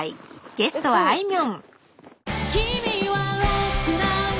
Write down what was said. ゲストはあいみょん